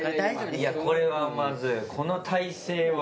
いやこれはまずいこの体勢はもう。